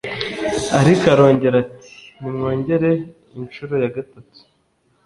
Ariko arongera ati “nimwongere incuro ya gatatu”